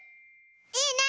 いいね！